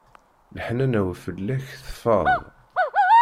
Leḥnana-w fell-ak tfaḍ.